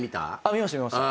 見ました見ました。